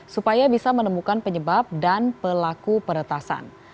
supaya bisa menemukan penyebab dan pelaku peretasan